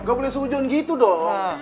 gak boleh seujun gitu dong